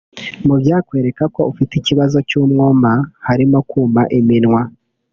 Mu byakwereka ko ufite ikibazo cy'umwuma harimo; Kuma iminwa